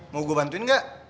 mau gue bantuin ga